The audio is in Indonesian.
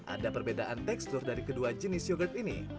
ada perbedaan tekstur dari kedua jenis yogurt ini